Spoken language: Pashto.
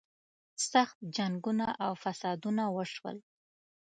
سخت جنګونه او فسادونه وشول.